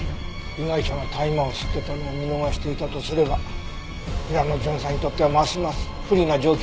被害者が大麻を吸ってたのを見逃していたとすれば平野巡査にとってはますます不利な状況だね。